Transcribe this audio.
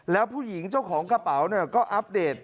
แล้วผู้หญิงเจ้าของกระเป๋าก็อัปเดต